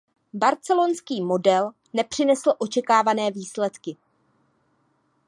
Barcelonský model nepřinesl očekávané výsledky.